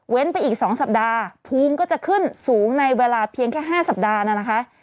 ไปอีก๒สัปดาห์ภูมิก็จะขึ้นสูงในเวลาเพียงแค่๕สัปดาห์นะคะ